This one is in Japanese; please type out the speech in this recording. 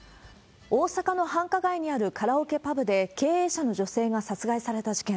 大阪の繁華街にあるカラオケパブで、経営者の女性が殺害された事件。